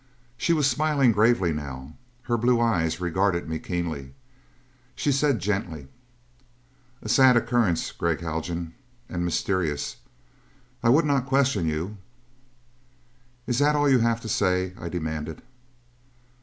She was smiling gravely now. Her blue eyes regarded me keenly. She said gently: "A sad occurrence, Gregg Haljan. And mysterious. I would not question you " "Is that all you have to say?" I demanded.